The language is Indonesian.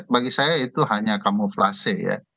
bagi saya itu hanya kamuflase ya